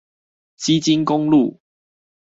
基金公路